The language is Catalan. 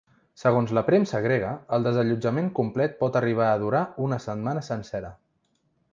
Segons la premsa grega, el desallotjament complet pot arribar a durar una setmana sencera.